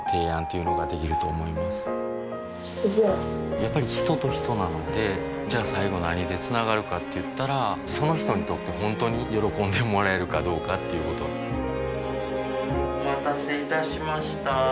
やっぱり人と人なのでじゃあ最後何でつながるかって言ったらその人にとって本当に喜んでもらえるかどうかっていうことお待たせいたしました。